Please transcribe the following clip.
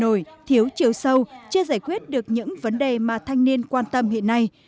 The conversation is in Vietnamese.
nhưng đại hội nổi thiếu chiều sâu chưa giải quyết được những vấn đề mà thanh niên quan tâm hiện nay